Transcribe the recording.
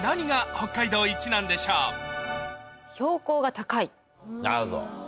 今なるほど。